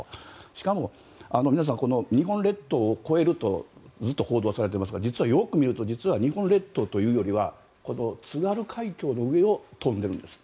しかも日本列島を越えるとずっと報道されていますが実は日本列島というよりは津軽海峡の上を飛んでいるんです。